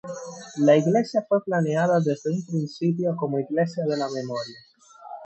La iglesia fue planeada desde un principio como iglesia de la memoria.